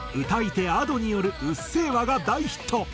歌い手Ａｄｏによる『うっせぇわ』が大ヒット。